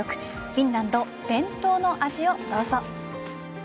フィンランド伝統の味をどうぞ。